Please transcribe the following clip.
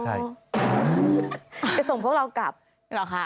ไปส่งพวกเรากลับเหรอคะ